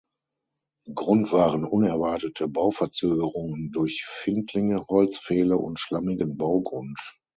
Grund waren unerwartete Bauverzögerungen durch Findlinge, Holzpfähle und schlammigen Baugrund.